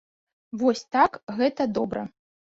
Вось так гэта добра!